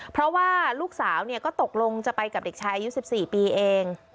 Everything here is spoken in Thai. เพราะว่าลูกสาวก็ตกลงจะไปกับเด็กชายอายุ๑๔ปีเอง